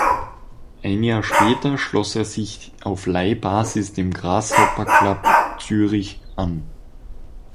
Ein Jahr später schloss er sich auf Leihbasis dem Grasshopper Club Zürich an.